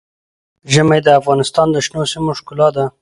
ژمی د افغانستان د شنو سیمو ښکلا ده.